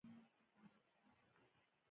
چې هر یوه ته بېلابېلې ګټې ورسېږي.